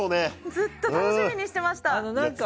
ずっと楽しみにしていました。